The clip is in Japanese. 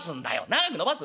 「長く伸ばす？